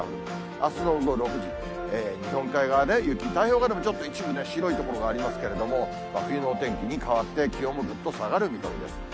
あすの午後６時、日本海側では雪、太平洋側でもちょっと一部ね、白い所がありますけれども、真冬のお天気に変わって、気温もぐっと下がる見込みです。